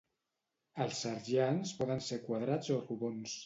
Els serjants poden ser quadrats o rodons.